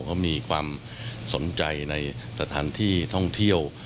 เขามีความสนใจในสถานที่ท่องเที่ยว